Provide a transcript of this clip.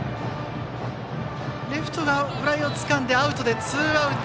レフトがフライをつかんでツーアウト。